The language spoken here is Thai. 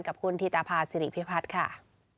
กับคุณธิตภาษิริพิพัฒน์ค่ะ